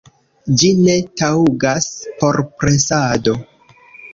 Ĝi ne taŭgas por presado.